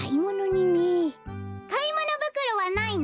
かいものぶくろはないの？